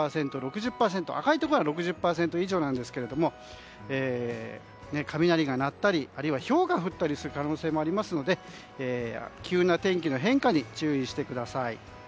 赤いところが６０％以上ですが雷が鳴ったりひょうが降ったりする可能性もありますので急な天気の変化に注意してください。